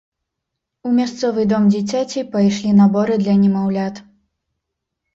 У мясцовы дом дзіцяці пайшлі наборы для немаўлят.